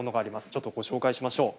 ちょっとご紹介しましょう。